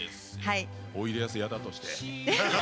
おいでやす矢田として。